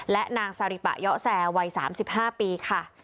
และนางซาริปะเยาะแซวัย๓๕ปีค่ะ